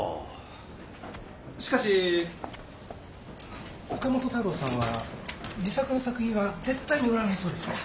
しかし岡本太郎さんは自作の作品は絶対に売らないそうですから。